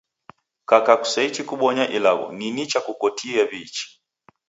Kaka kuseichi kubonya ilagho, ni nicha kukotie w'iichi